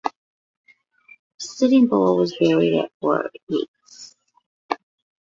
Sitting Bull was buried at Fort Yates.